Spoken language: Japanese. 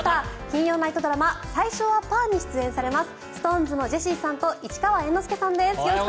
金曜ナイトドラマ「最初はパー」に出演されますＳｉｘＴＯＮＥＳのジェシーさんと市川猿之助さんです。